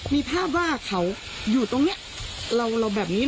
มีภาพว่าเขาอยู่ตรงนี้เราแบบนี้